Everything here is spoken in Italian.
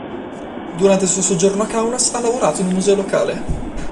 Durante il suo soggiorno a Kaunas ha lavorato in un museo locale.